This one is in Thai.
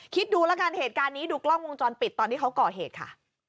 คิดดูแล้วกันเหตุการณ์นี้ดูกล้องวงจรปิดตอนที่เขาก่อเหตุค่ะ